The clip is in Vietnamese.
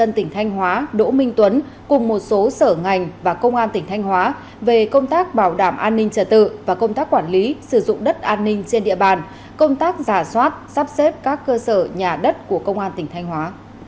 công an tỉnh thanh hóa đỗ minh tuấn cùng một số sở ngành và công an tỉnh thanh hóa về công tác bảo đảm an ninh trả tự và công tác quản lý sử dụng đất an ninh trên địa bàn công tác giả soát sắp xếp các cơ sở nhà đất của công an tỉnh thanh hóa